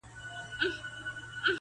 د عقل لاري تر منزله رسېدلي نه دي -